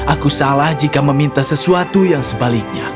aku salah jika meminta sesuatu yang sebaliknya